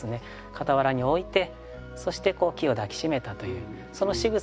傍らに置いてそして木を抱き締めたというそのしぐさにですね